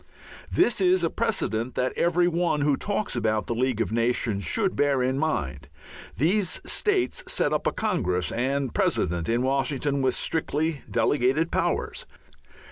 This is a precedent that every one who talks about the League of Nations should bear in mind. These states set up a congress and president in Washington with strictly delegated powers.